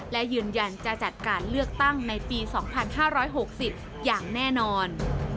และยืนยันจะจัดการเลือกตั้งในปี๒๕๖๐อย่างแน่นอน